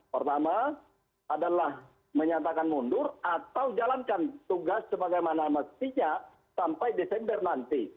pertama adalah menyatakan mundur atau jalankan tugas sebagaimana mestinya sampai desember nanti